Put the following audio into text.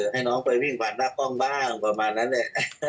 ให้น้องไปวิ่งผ่านหน้ากล้องบ้างประมาณนั้นแหละ